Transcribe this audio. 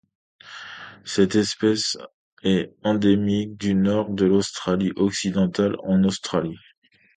Cette espèce est endémique du Nord de l'Australie-Occidentale en Australie.